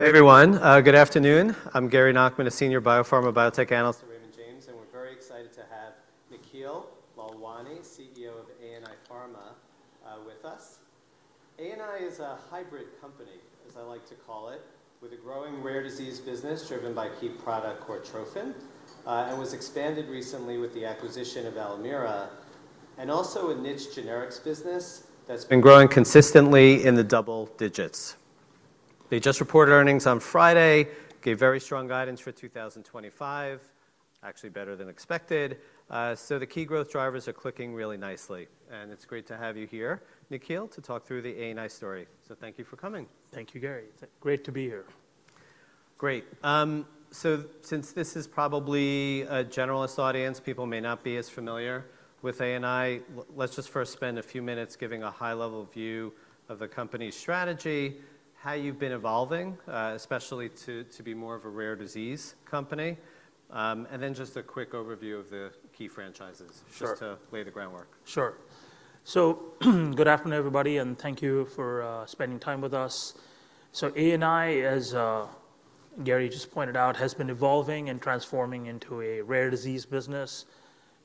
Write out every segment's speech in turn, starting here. Hey, everyone. Good afternoon. I'm Gary Nachman, a Senior Biopharma Biotech Analyst at Raymond James, and we're very excited to have Nikhil Lalwani, CEO of ANI Pharma, with us. ANI is a Hybrid company, as I like to call it, with a growing rare disease business driven by key product Cortrophin, and was expanded recently with the acquisition of Alimera, and also a niche generics business that's been growing consistently in the double digits. They just reported earnings on Friday, gave very strong guidance for 2025, actually better than expected. The key growth drivers are clicking really nicely. It's great to have you here, Nikhil, to talk through the ANI story. Thank you for coming. Thank you, Gary. It's great to be here. Great. Since this is probably a generalist audience, people may not be as familiar with ANI, let's just first spend a few minutes giving a high-level view of the company's strategy, how you've been evolving, especially to be more of a rare disease company, and then just a quick overview of the key franchises, just to lay the groundwork. Sure. Good afternoon, everybody, and thank you for spending time with us. ANI, as Gary just pointed out, has been evolving and transforming into a rare disease business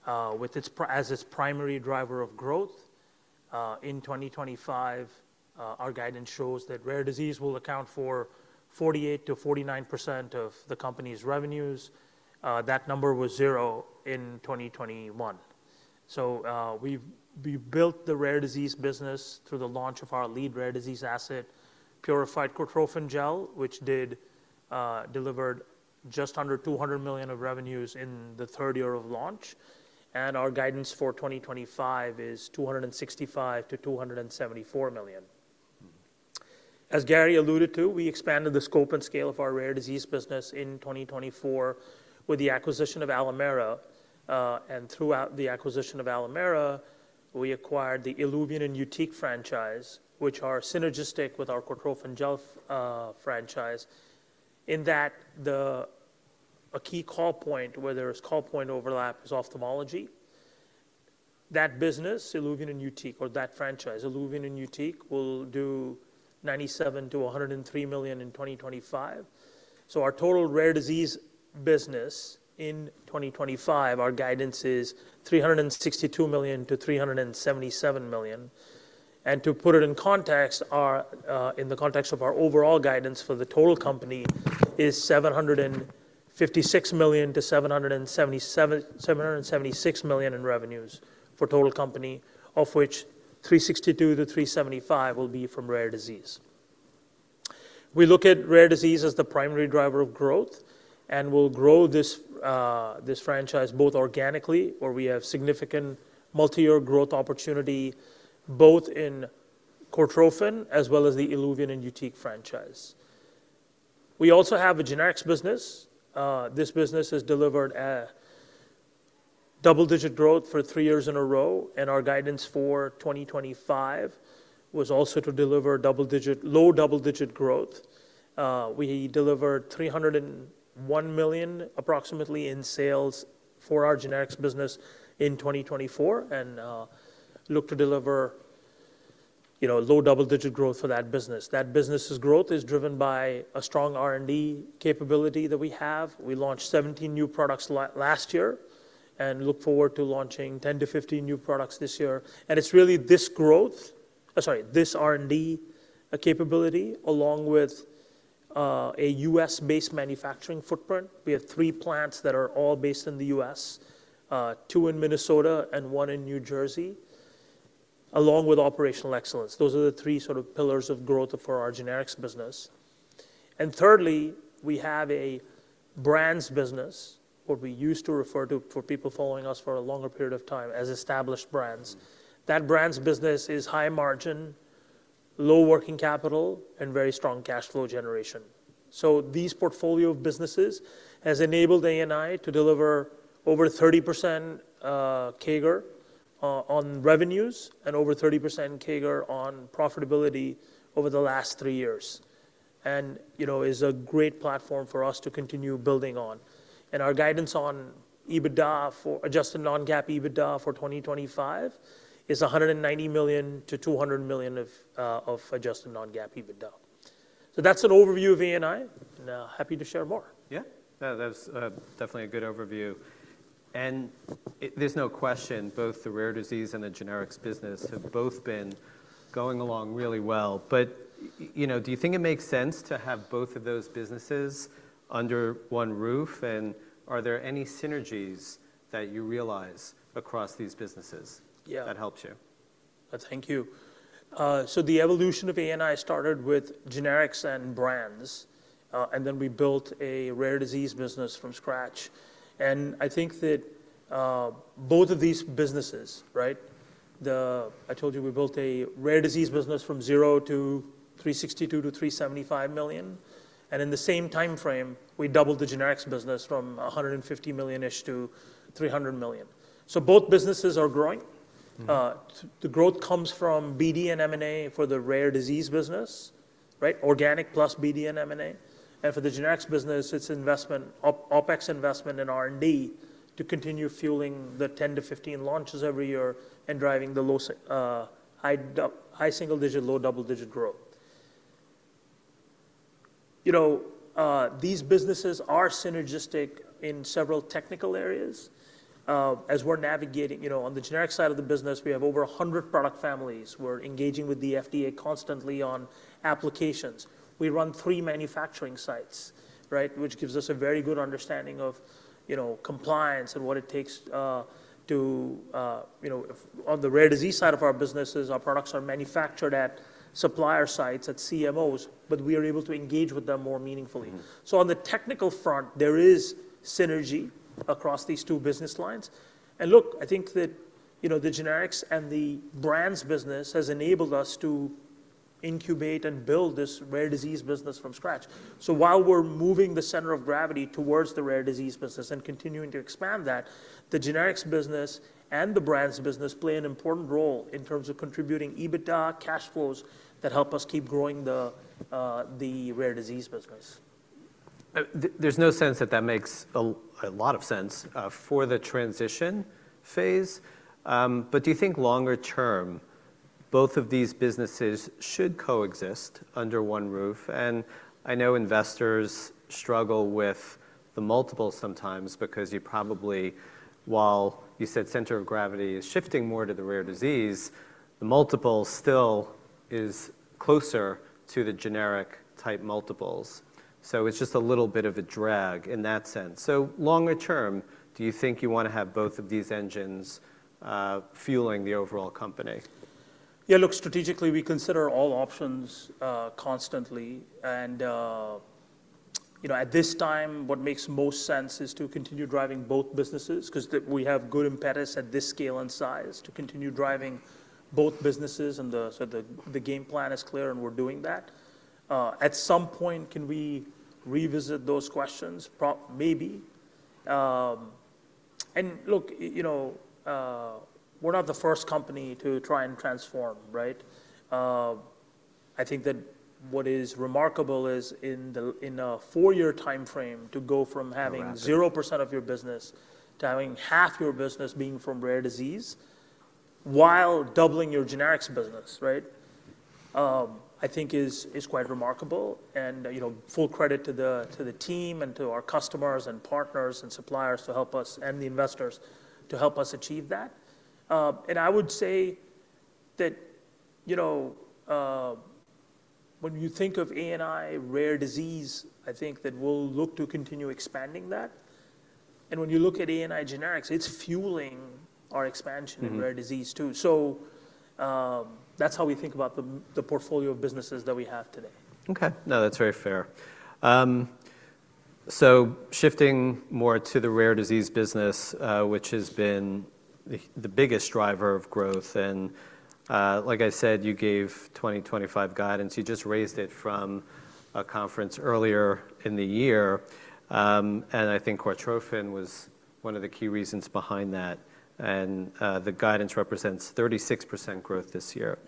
as its primary driver of growth. In 2025, our guidance shows that rare disease will account for 48%-49% of the company's revenues. That number was zero in 2021. We built the rare disease business through the launch of our lead rare disease asset, Purified Cortrophin Gel, which delivered just under $200 million of revenues in the third year of launch. Our guidance for 2025 is $265 million-$274 million. As Gary alluded to, we expanded the scope and scale of our rare disease business in 2024 with the acquisition of Alimera. Throughout the acquisition of Alimera, we acquired the ILUVIEN and YUTIQ franchise, which are synergistic with our Cortrophin Gel franchise. In that, a key call point, where there is call point overlap, is ophthalmology. That business, ILUVIEN and YUTIQ, or that franchise, ILUVIEN and YUTIQ, will do $97 million-$103 million in 2025. Our total rare disease business in 2025, our guidance is $362 million-$377 million. To put it in context, in the context of our overall guidance for the total company, it is $756 million-$776 million in revenues for total company, of which $362 million-$375 million will be from rare disease. We look at rare disease as the primary driver of growth and will grow this franchise both organically, where we have significant multi-year growth opportunity, both in Cortrophin as well as the ILUVIEN and YUTIQ franchise. We also have a generics business. This business has delivered double-digit growth for three years in a row, and our guidance for 2025 was also to deliver low double-digit growth. We delivered $301 million, approximately, in sales for our generics business in 2024 and look to deliver low double-digit growth for that business. That business's growth is driven by a strong R&D capability that we have. We launched 17 new products last year and look forward to launching 10-15 new products this year. It is really this growth, sorry, this R&D capability, along with a U.S.-based manufacturing footprint. We have three plants that are all based in the U.S., two in Minnesota and one in New Jersey, along with operational excellence. Those are the three sort of pillars of growth for our generics business. Thirdly, we have a brands business, what we used to refer to, for people following us for a longer period of time, as established brands. That brands business is high margin, low working capital, and very strong cash flow generation. These portfolio businesses have enabled ANI to deliver over 30% CAGR on revenues and over 30% CAGR on profitability over the last three years and is a great platform for us to continue building on. Our guidance on adjusted non-GAAP EBITDA for 2025 is $190 million-$200 million of adjusted non-GAAP EBITDA. That is an overview of ANI, and happy to share more. Yeah, that was definitely a good overview. There is no question both the rare disease and the generics business have both been going along really well. Do you think it makes sense to have both of those businesses under one roof? Are there any synergies that you realize across these businesses that helped you? Yeah, thank you. The evolution of ANI started with generics and brands, and then we built a rare disease business from scratch. I think that both of these businesses, right, I told you we built a rare disease business from zero to $362 million-$375 million. In the same time frame, we doubled the generics business from $150 million-ish -$300 million. Both businesses are growing. The growth comes from BD and M&A for the rare disease business, right, organic plus BD and M&A. For the generics business, it's OpEx investment and R&D to continue fueling the 10-15 launches every year and driving the high single-digit, low double-digit growth. These businesses are synergistic in several technical areas. As we're navigating on the generic side of the business, we have over 100 product families. We're engaging with the FDA constantly on applications. We run three manufacturing sites, which gives us a very good understanding of compliance and what it takes to, on the rare disease side of our businesses, our products are manufactured at supplier sites, at CMOs, but we are able to engage with them more meaningfully. On the technical front, there is synergy across these two business lines. I think that the generics and the brands business has enabled us to incubate and build this rare disease business from scratch. While we are moving the center of gravity towards the rare disease business and continuing to expand that, the generics business and the brands business play an important role in terms of contributing EBITDA, cash flows that help us keep growing the rare disease business. There's no sense that that makes a lot of sense for the transition phase. Do you think longer term, both of these businesses should coexist under one roof? I know investors struggle with the multiple sometimes because you probably, while you said center of gravity is shifting more to the rare disease, the multiple still is closer to the generic type multiples. It's just a little bit of a drag in that sense. Longer term, do you think you want to have both of these engines fueling the overall company? Yeah, look, strategically, we consider all options constantly. At this time, what makes most sense is to continue driving both businesses because we have good impetus at this scale and size to continue driving both businesses. The game plan is clear, and we're doing that. At some point, can we revisit those questions? Maybe. Look, we're not the first company to try and transform, right? I think that what is remarkable is in a four-year time frame to go from having 0% of your business to having half your business being from rare disease while doubling your generics business, right, I think is quite remarkable. Full credit to the team and to our customers and partners and suppliers to help us and the investors to help us achieve that. I would say that when you think of ANI rare disease, I think that we'll look to continue expanding that. When you look at ANI generics, it's fueling our expansion in rare disease too. That's how we think about the portfolio of businesses that we have today. Okay, now, that's very fair. Shifting more to the rare disease business, which has been the biggest driver of growth. Like I said, you gave 2025 guidance. You just raised it from a conference earlier in the year. I think Cortrophin was one of the key reasons behind that. The guidance represents 36% growth this year.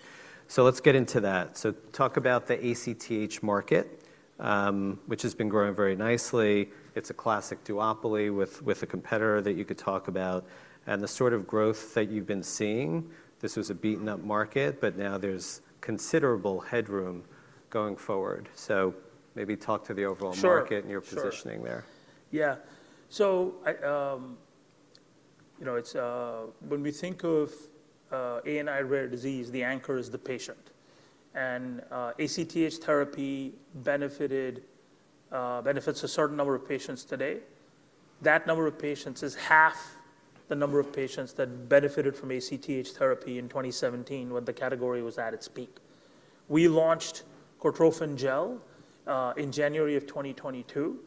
Let's get into that. Talk about the ACTH market, which has been growing very nicely. It's a classic duopoly with a competitor that you could talk about. The sort of growth that you've been seeing, this was a beaten-up market, but now there's considerable headroom going forward. Maybe talk to the overall market and your positioning there. Sure. Yeah. When we think of ANI rare disease, the anchor is the patient. And ACTH therapy benefits a certain number of patients today. That number of patients is half the number of patients that benefited from ACTH therapy in 2017 when the category was at its peak. We launched Cortrophin Gel in January of 2022.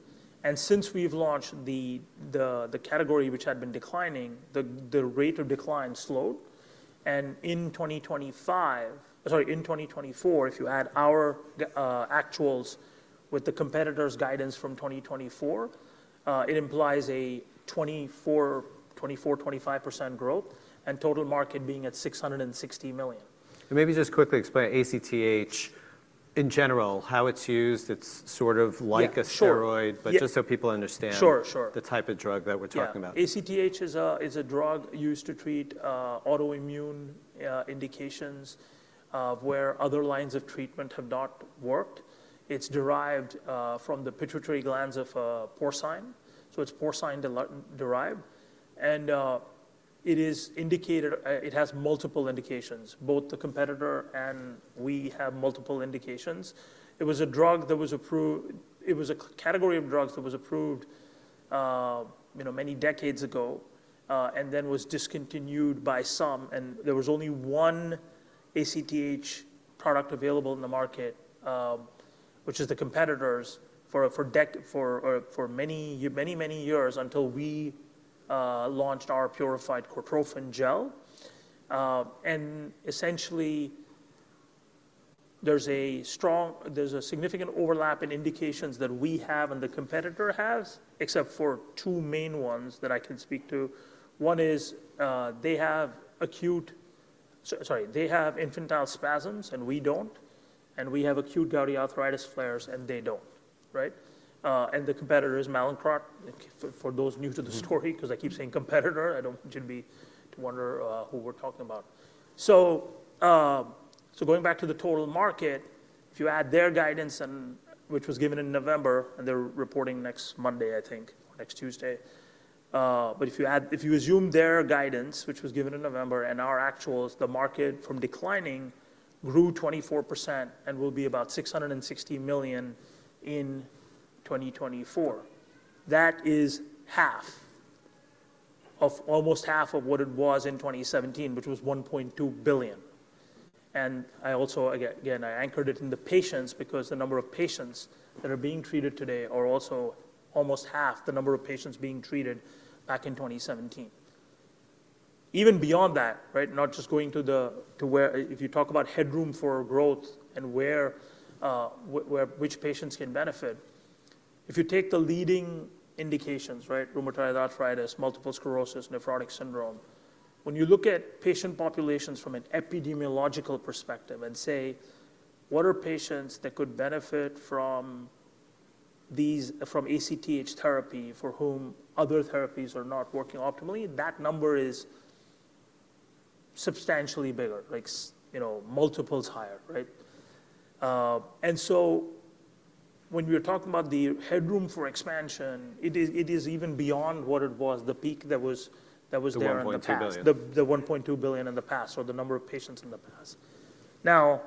Since we have launched, the category, which had been declining, the rate of decline slowed. In 2024, if you add our actuals with the competitor's guidance from 2024, it implies a 24%-25% growth and total market being at $660 million. Maybe just quickly explain ACTH in general, how it's used. It's sort of like a steroid, but just so people understand the type of drug that we're talking about. Sure, sure. ACTH is a drug used to treat autoimmune indications where other lines of treatment have not worked. It's derived from the pituitary glands of porcine. So it's porcine-derived. It has multiple indications. Both the competitor and we have multiple indications. It was a category of drugs that was approved many decades ago and then was discontinued by some. There was only one ACTH product available in the market, which is the competitor's, for many, many years until we launched our purified Cortrophin Gel. Essentially, there's a significant overlap in indications that we have and the competitor has, except for two main ones that I can speak to. One is they have infantile spasms and we don't. We have acute gouty arthritis flares and they don't, right? The competitor is Mallinckrodt. For those new to the story, because I keep saying competitor, I do not want you to wonder who we are talking about. Going back to the total market, if you add their guidance, which was given in November, and they are reporting next Monday, I think, or next Tuesday. If you assume their guidance, which was given in November, and our actuals, the market from declining grew 24% and will be about $660 million in 2024. That is almost half of what it was in 2017, which was $1.2 billion. I also, again, anchored it in the patients because the number of patients that are being treated today are also almost half the number of patients being treated back in 2017. Even beyond that, right, not just going to where if you talk about headroom for growth and which patients can benefit, if you take the leading indications, right, rheumatoid arthritis, multiple sclerosis, nephrotic syndrome, when you look at patient populations from an epidemiological perspective and say, what are patients that could benefit from ACTH therapy for whom other therapies are not working optimally, that number is substantially bigger, like multiples higher, right? When we're talking about the headroom for expansion, it is even beyond what it was, the peak that was there. The $1.2 billion. The $1.2 billion in the past or the number of patients in the past. Now,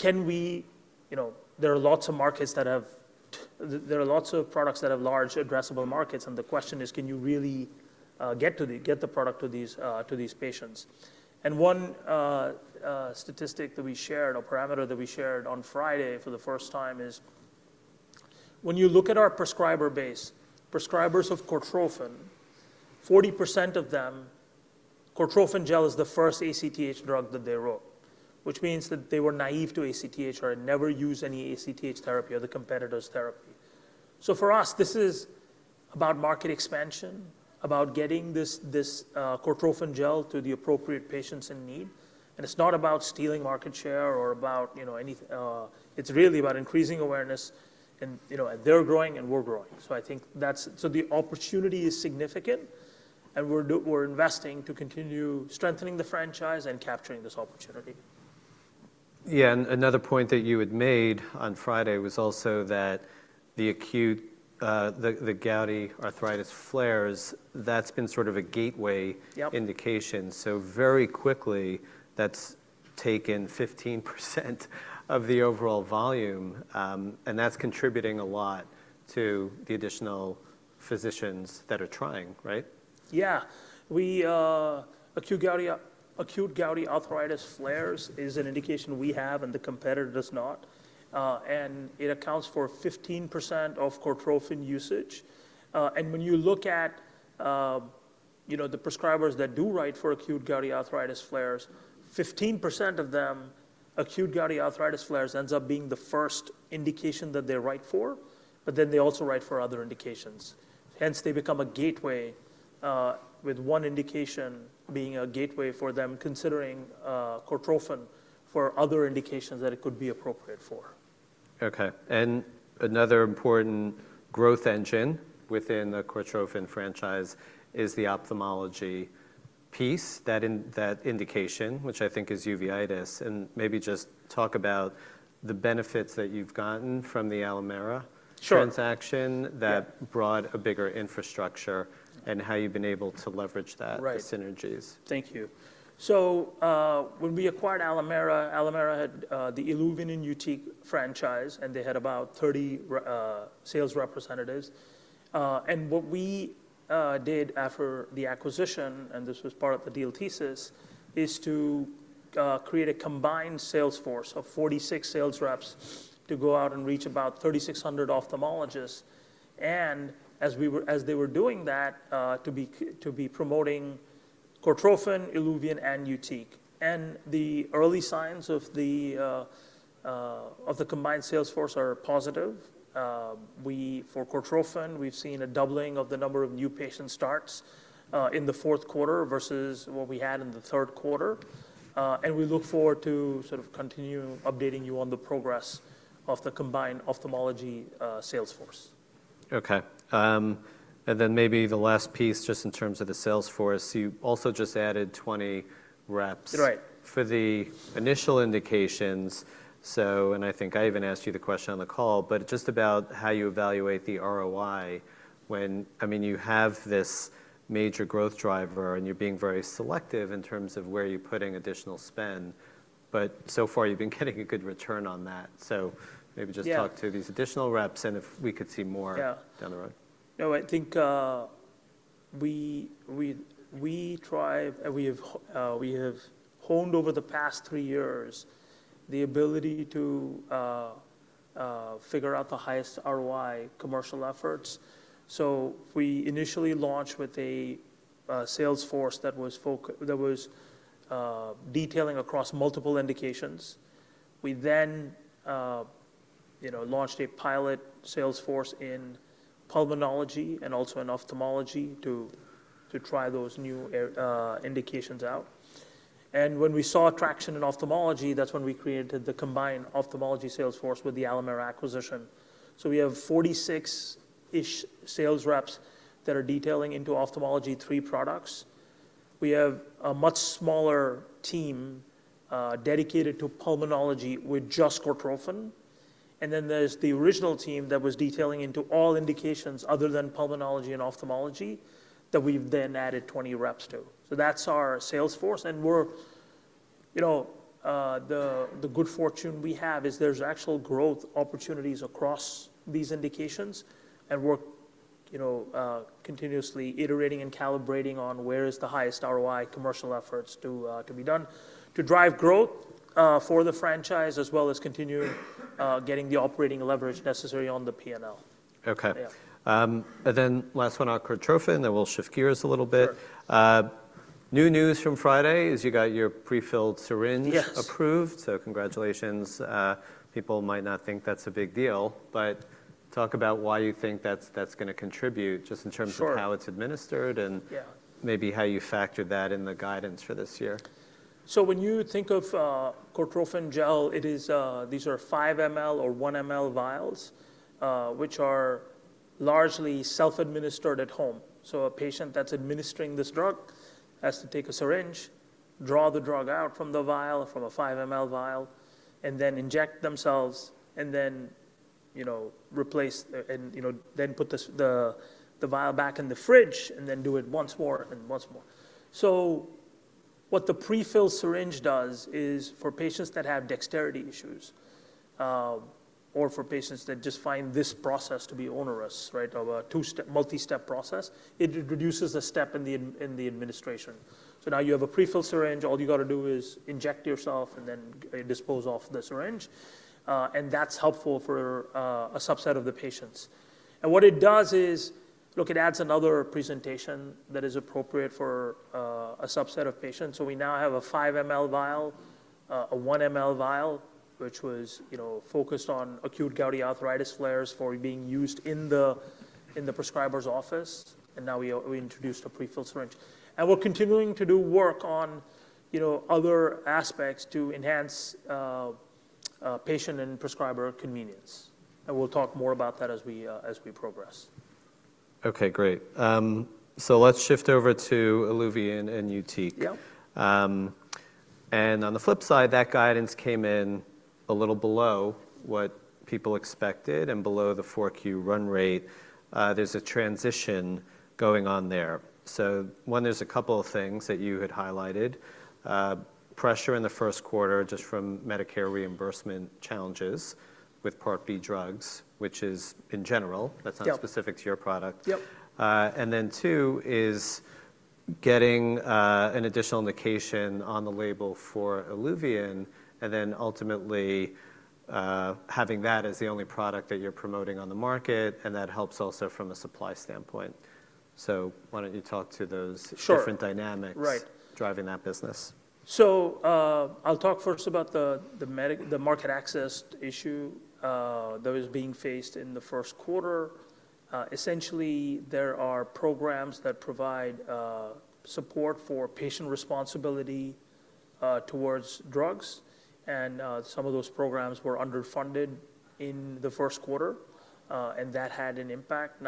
there are lots of markets that have, there are lots of products that have large addressable markets. The question is, can you really get the product to these patients? One statistic that we shared, a parameter that we shared on Friday for the first time is when you look at our prescriber base, prescribers of Cortrophin, 40% of them, Cortrophin Gel is the first ACTH drug that they wrote, which means that they were naive to ACTH or had never used any ACTH therapy or the competitor's therapy. For us, this is about market expansion, about getting this Cortrophin Gel to the appropriate patients in need. It is not about stealing market share or about anything. It is really about increasing awareness. They are growing and we are growing. I think that's so the opportunity is significant. And we're investing to continue strengthening the franchise and capturing this opportunity. Yeah, another point that you had made on Friday was also that the acute gouty arthritis flares, that's been sort of a gateway indication. Very quickly, that's taken 15% of the overall volume. That's contributing a lot to the additional physicians that are trying, right? Yeah. Acute gouty arthritis flares is an indication we have and the competitor does not. It accounts for 15% of Cortrophin usage. When you look at the prescribers that do write for acute gouty arthritis flares, 15% of them, acute gouty arthritis flares ends up being the first indication that they write for, but then they also write for other indications. Hence, they become a gateway, with one indication being a gateway for them considering Cortrophin for other indications that it could be appropriate for. Okay. Another important growth engine within the Cortrophin franchise is the Ophthalmology piece, that indication, which I think is uveitis. Maybe just talk about the benefits that you've gotten from the Alimera transaction that brought a bigger infrastructure and how you've been able to leverage that for synergies. Thank you. When we acquired Alimera, Alimera had the ILUVIEN and YUTIQ franchise, and they had about 30 sales representatives. What we did after the acquisition, and this was part of the deal thesis, is to create a combined sales force of 46 sales reps to go out and reach about 3,600 Ophthalmologists. As they were doing that, to be promoting Cortrophin, ILUVIEN and YUTIQ The early signs of the combined sales force are positive. For Cortrophin, we've seen a doubling of the number of new patient starts in the fourth quarter versus what we had in the third quarter. We look forward to sort of continue updating you on the progress of the combined Ophthalmology sales force. Okay. Maybe the last piece, just in terms of the sales force, you also just added 20 reps for the initial indications. I think I even asked you the question on the call, just about how you evaluate the ROI when, I mean, you have this major growth driver and you're being very selective in terms of where you're putting additional spend. So far, you've been getting a good return on that. Maybe just talk to these additional reps and if we could see more down the road. No, I think we have honed over the past three years the ability to figure out the highest ROI commercial efforts. We initially launched with a sales force that was detailing across multiple indications. We then launched a pilot sales force in pulmonology and also in Ophthalmology to try those new indications out. When we saw traction in Ophthalmology, that's when we created the combined Ophthalmology sales force with the Alimera acquisition. We have 46-ish sales reps that are detailing into Ophthalmology three products. We have a much smaller team dedicated to pulmonology with just Cortrophin. There is the original team that was detailing into all indications other than pulmonology and ophthalmology that we've then added 20 reps to. That is our sales force. The good fortune we have is there's actual growth opportunities across these indications. We're continuously iterating and calibrating on where is the highest ROI commercial efforts to be done to drive growth for the franchise as well as continue getting the operating leverage necessary on the P&L. Okay. And then last one on Cortrophin, then we'll shift gears a little bit. New news from Friday is you got your prefilled syringes approved. So congratulations. People might not think that's a big deal, but talk about why you think that's going to contribute just in terms of how it's administered and maybe how you factor that in the guidance for this year. When you think of Cortrophin Gel, these are 5 ml or 1 ml vials, which are largely self-administered at home. A patient that's administering this drug has to take a syringe, draw the drug out from the vial, from a 5 ml vial, and then inject themselves, and then put the vial back in the fridge and then do it once more and once more. What the prefilled syringe does is for patients that have dexterity issues or for patients that just find this process to be onerous, right, of a multi-step process, it reduces the step in the administration. Now you have a prefilled syringe, all you got to do is inject yourself and then dispose of the syringe. That's helpful for a subset of the patients. What it does is, look, it adds another presentation that is appropriate for a subset of patients. We now have a 5 ml vial, a 1 ml vial, which was focused on acute gouty arthritis flares for being used in the prescriber's office. Now we introduced a prefilled syringe. We are continuing to do work on other aspects to enhance patient and prescriber convenience. We will talk more about that as we progress. Okay, great. Let's shift over to ILUVIEN and YUTIQ. On the flip side, that guidance came in a little below what people expected and below the Q4 run rate. There's a transition going on there. One, there's a couple of things that you had highlighted. Pressure in the first quarter just from Medicare reimbursement challenges with Part B drugs, which is in general. That's not specific to your product. Two is getting an additional indication on the label for ILUVIEN and then ultimately having that as the only product that you're promoting on the market. That helps also from a supply standpoint. Why don't you talk to those different dynamics driving that business? I'll talk first about the market access issue that was being faced in the first quarter. Essentially, there are programs that provide support for patient responsibility towards drugs. Some of those programs were underfunded in the first quarter, and that had an impact.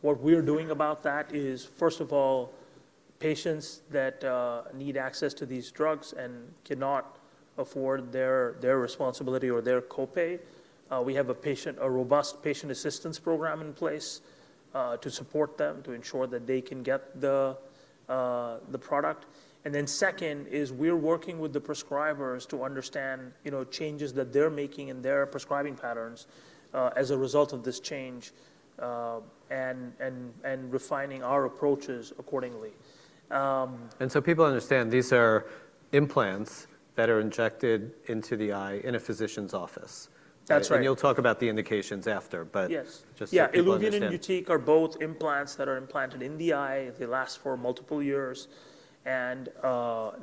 What we're doing about that is, first of all, patients that need access to these drugs and cannot afford their responsibility or their copay, we have a robust patient assistance program in place to support them to ensure that they can get the product. Second is we're working with the prescribers to understand changes that they're making in their prescribing patterns as a result of this change and refining our approaches accordingly. People understand these are implants that are injected into the eye in a Physician's office. That's right. You'll talk about the indications after, but just. Yeah, ILUVIEN and YUTIQ are both implants that are implanted in the eye. They last for multiple years. They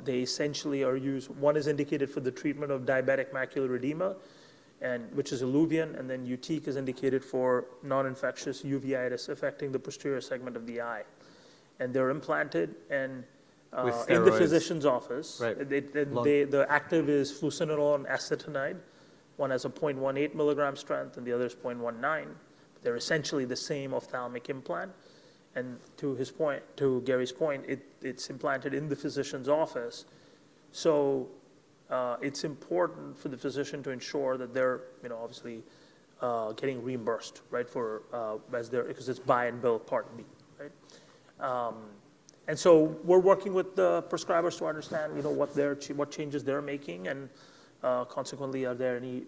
essentially are used, one is indicated for the treatment of diabetic macular edema, which is ILUVIEN. YUTIQ is indicated for non-infectious uveitis affecting the posterior segment of the eye. They're implanted in the physician's office. The active is fluocinolone acetonide. One has a 0.18 mg strength and the other is 0.19 mg. They're essentially the same ophthalmic implant. To Gary's point, it's implanted in the physician's office. It is important for the physician to ensure that they're obviously getting reimbursed, right, because it's buy and bill Part B, right? We're working with the prescribers to understand what changes they're making and consequently, are there any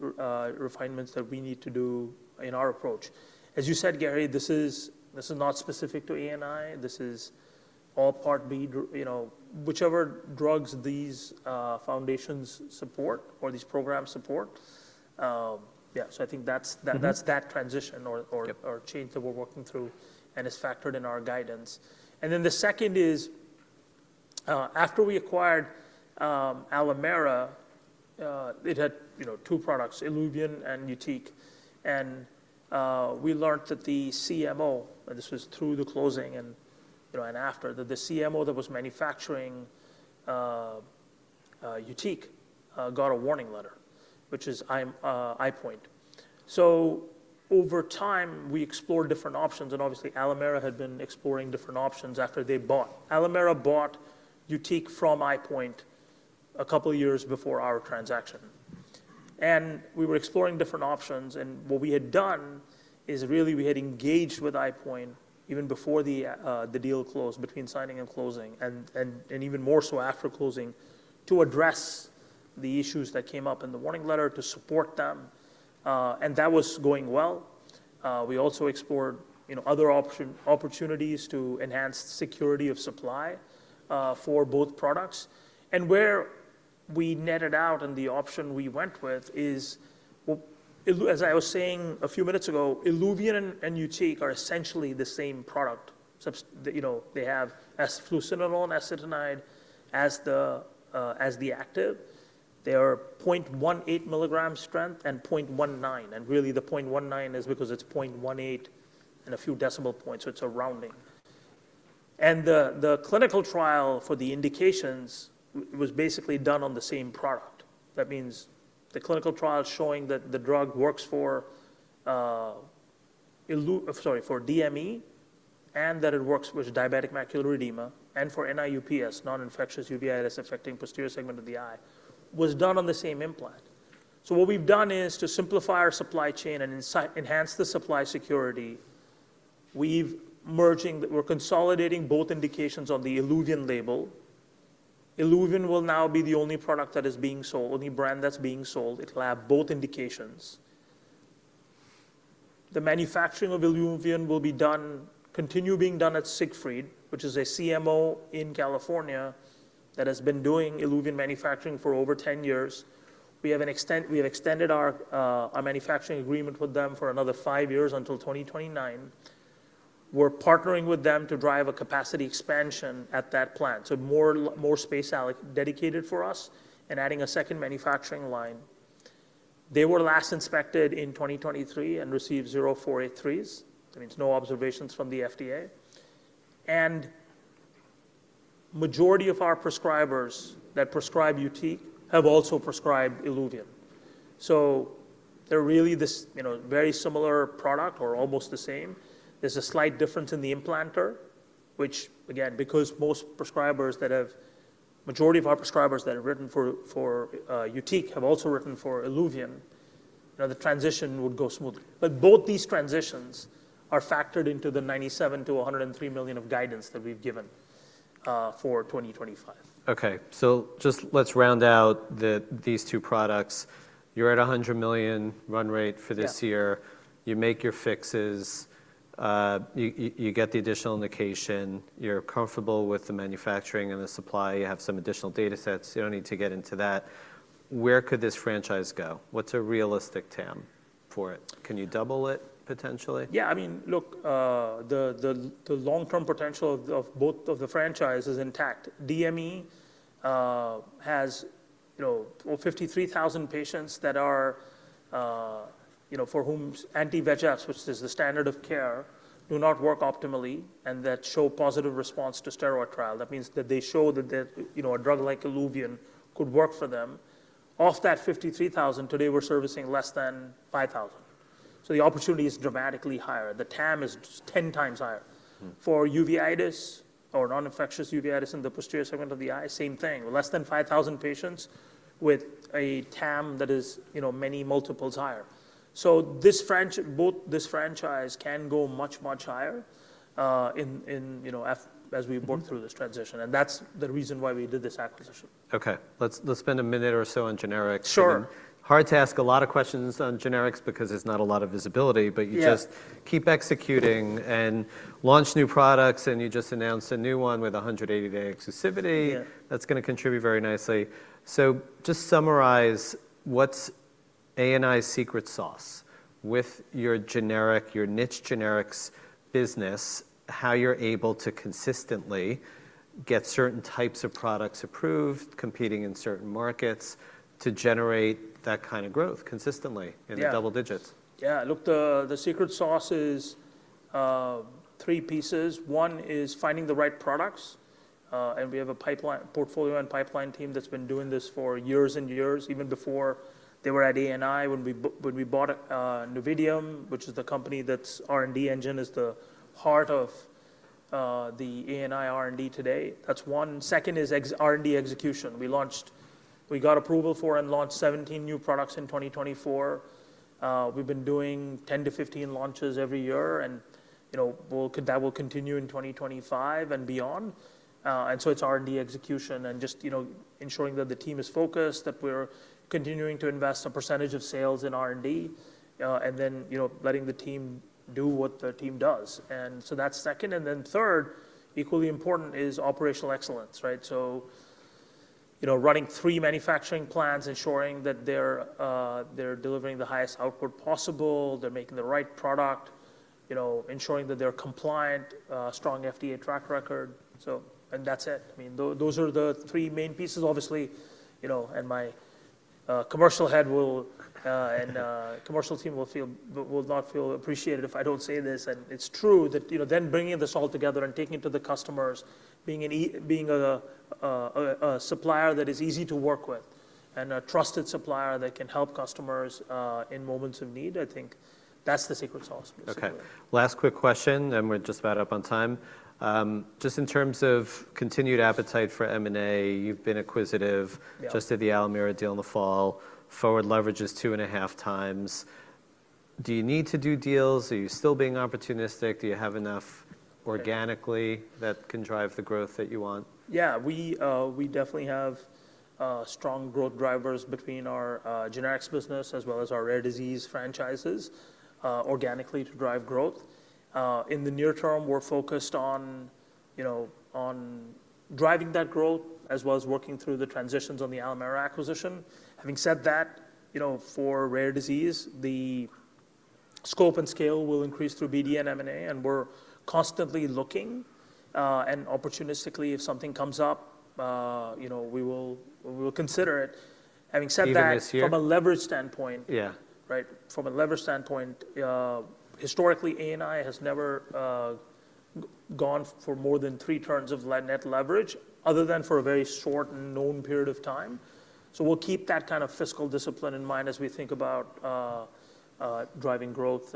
refinements that we need to do in our approach. As you said, Gary, this is not specific to ANI. This is all Part B, whichever drugs these foundations support or these programs support. Yeah, I think that's that transition or change that we're working through and is factored in our guidance. The second is after we acquired Alimera, it had two products, ILUVIEN and YUTIQ. We learned that the CMO, and this was through the closing and after, that the CMO that was manufacturing YUTIQ got a warning letter, which is iPoint. Over time, we explored different options. Obviously, Alimera had been exploring different options after they bought. Alimera bought YUTIQ from iPoint a couple of years before our transaction. We were exploring different options. What we had done is really we had engaged with iPoint even before the deal closed between signing and closing and even more so after closing to address the issues that came up in the warning letter to support them. That was going well. We also explored other opportunities to enhance security of supply for both products. Where we netted out and the option we went with is, as I was saying a few minutes ago, ILUVIEN and YUTIQ are essentially the same product. They have fluocinolone acetonide as the active. They are 0.18 mg strength and 0.19. Really the 0.19 is because it is 0.18 and a few decimal points. It is a rounding. The clinical trial for the indications was basically done on the same product. That means the clinical trial showing that the drug works for DME and that it works with diabetic macular edema and for NIUPS, Non-Iinfectious Uveitis Affecting Posterior Segment of the eye, was done on the same implant. What we have done is to simplify our supply chain and enhance the supply security. We are consolidating both indications on the ILUVIEN label. ILUVIEN will now be the only product that is being sold, the only brand that is being sold. It will have both indications. The manufacturing of ILUVIEN will continue being done at Siegfried, which is a CMO in California that has been doing ILUVIEN manufacturing for over 10 years. We have extended our manufacturing agreement with them for another five years until 2029. We are partnering with them to drive a capacity expansion at that plant. More space will be dedicated for us and we are adding a second manufacturing line. They were last inspected in 2023 and received zeo483s. That means no observations from the FDA. The majority of our prescribers that prescribe YUTIQ have also prescribed ILUVIEN. They are really this very similar product or almost the same. There is a slight difference in the implanter, which again, because the majority of our prescribers that have written for YUTIQ have also written for ILUVIEN, the transition would go smoothly. Both these transitions are factored into the $97 million-$103 million of guidance that we have given for 2025. Okay. Just let's round out these two products. You're at $100 million run rate for this year. You make your fixes. You get the additional indication. You're comfortable with the manufacturing and the supply. You have some additional data sets. You don't need to get into that. Where could this franchise go? What's a realistic TAM for it? Can you double it potentially? Yeah. I mean, look, the long-term potential of both of the franchises is intact. DME has 53,000 patients for whom anti-VEGFs, which is the standard of care, do not work optimally and that show positive response to steroid trial. That means that they show that a drug like ILUVIEN could work for them. Off that 53,000, today we're servicing less than 5,000. The opportunity is dramatically higher. The TAM is 10 times higher. For uveitis or non-infectious uveitis in the posterior segment of the eye, same thing. Less than 5,000 patients with a TAM that is many multiples higher. Both this franchise can go much, much higher as we work through this transition. That is the reason why we did this acquisition. Okay. Let's spend a minute or so on generics. Hard to ask a lot of questions on generics because there's not a lot of visibility, but you just keep executing and launch new products and you just announced a new one with 180-day exclusivity. That's going to contribute very nicely. Just summarize what's ANI's secret sauce with your generic, your niche generics business, how you're able to consistently get certain types of products approved, competing in certain markets to generate that kind of growth consistently in the double digits. Yeah. Look, the secret sauce is three pieces. One is finding the right products. And we have a portfolio and pipeline team that's been doing this for years and years, even before they were at ANI when we bought Nvidium, which is the company that's R&D engine is the heart of the ANI R&D today. That's one. Second is R&D execution. We got approval for and launched 17 new products in 2024. We've been doing 10-5 launches every year. That will continue in 2025 and beyond. It's R&D execution and just ensuring that the team is focused, that we're continuing to invest a percentage of sales in R&D, and then letting the team do what the team does. That's second. Third, equally important is operational excellence, right? Running three manufacturing plants, ensuring that they're delivering the highest output possible, they're making the right product, ensuring that they're compliant, strong FDA track record. That's it. I mean, those are the three main pieces, obviously. My commercial head and commercial team will not feel appreciated if I don't say this. It's true that then bringing this all together and taking it to the customers, being a supplier that is easy to work with and a trusted supplier that can help customers in moments of need, I think that's the secret sauce. Okay. Last quick question, and we're just about up on time. Just in terms of continued appetite for M&A, you've been acquisitive just at the Alimera deal in the fall, forward leverage is two and a half times. Do you need to do deals? Are you still being opportunistic? Do you have enough organically that can drive the growth that you want? Yeah. We definitely have strong growth drivers between our generics business as well as our rare disease franchises organically to drive growth. In the near term, we're focused on driving that growth as well as working through the transitions on the Alimera acquisition. Having said that, for rare disease, the scope and scale will increase through BD and M&A. We're constantly looking. Opportunistically, if something comes up, we will consider it. Having said that, from a leverage standpoint, right, from a leverage standpoint, historically, ANI has never gone for more than three turns of net leverage other than for a very short known period of time. We'll keep that kind of fiscal discipline in mind as we think about driving growth.